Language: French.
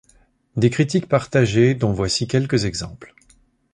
Des critiques partagées, dont voici quelques exemples.